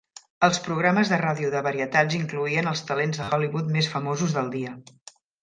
Els programes de ràdio de varietats incloïen els talents de Hollywood més famosos del dia.